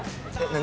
何？